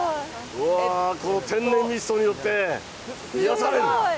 うわー、この天然ミストによって、癒やされる！